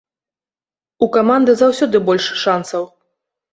У каманды заўсёды больш шансаў.